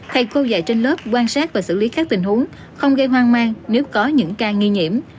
thầy cô dạy trên lớp quan sát và xử lý các tình huống không gây hoang mang nếu có những ca nghi nhiễm